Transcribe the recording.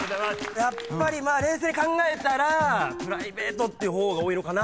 やっぱり冷静に考えたらプライベートっていう方が多いのかなと思いましたね。